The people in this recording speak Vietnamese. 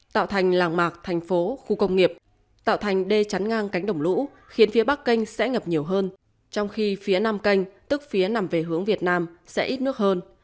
tạo thành làng mạc thành phố khu công nghiệp tạo thành đê chắn ngang cánh đồng lũ khiến phía bắc kênh sẽ ngập nhiều hơn trong khi phía nam canh tức phía nằm về hướng việt nam sẽ ít nước hơn